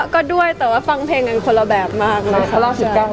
ก็ด้วยแต่ว่าฟังเพลงคนละแบบมาก